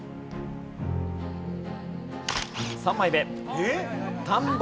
３枚目何？